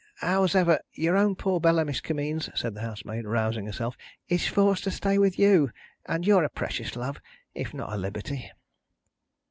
Hows'ever, your own poor Bella, Miss Kimmeens," said the housemaid, rousing herself, "is forced to stay with you, and you're a precious love, if not a liberty."